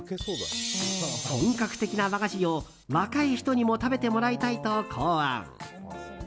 本格的な和菓子を、若い人にも食べてもらいたいと考案。